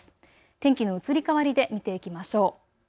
天気の移り変わりで見ていきましょう。